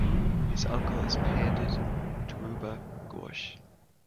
His uncle is Pandit Dhruba Ghosh.